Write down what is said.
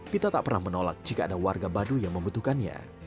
pita tak pernah menolak jika ada warga baduy yang membutuhkannya